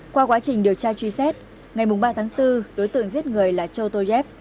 qua quá trình điều tra truy xét ngày ba tháng bốn đối tượng giết người là châu tô yev